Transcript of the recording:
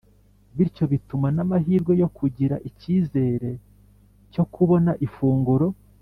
bityo bituma n'amahirwe yo kugira icyizere cyo kubona ifunguro